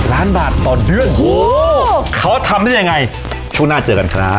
พี่โน่นุ่มนี่เรียกว่าตัวพ่อมากจริงแหละครับ